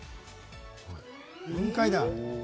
雲海だ！